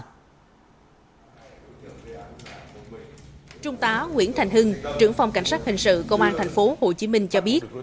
trung tá nguyễn thành hưng trưởng phòng cảnh sát hình sự công an tp hồ chí minh cho biết